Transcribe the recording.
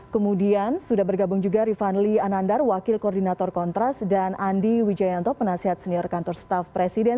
kemudian sudah bergabung juga rifanli anandar wakil koordinator kontras dan andi wijayanto penasehat senior kantor staff presiden